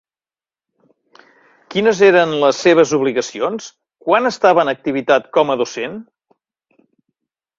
Quines eren les seves obligacions, quan estava en activitat com a docent?